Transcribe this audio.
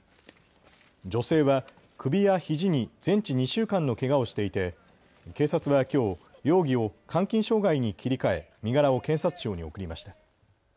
女性は首やひじに全治２週間のけがをしていて警察はきょう容疑を監禁傷害に切り替え身柄を検察庁に送りました。